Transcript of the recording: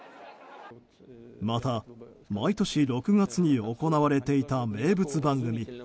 また毎年６月に行われていた名物番組